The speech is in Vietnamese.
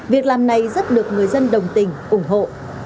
việc làm này rất được người dân đồng tình ủng hộ